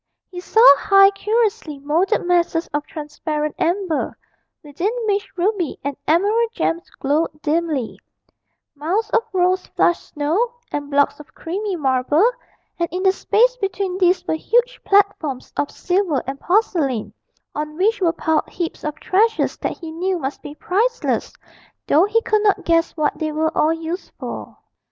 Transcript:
He saw high curiously moulded masses of transparent amber, within which ruby and emerald gems glowed dimly; mounds of rose flushed snow, and blocks of creamy marble; and in the space between these were huge platforms of silver and porcelain, on which were piled heaps of treasures that he knew must be priceless, though he could not guess what they were all used for.